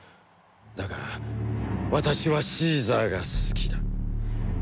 だが私はシーザーが好きだ」。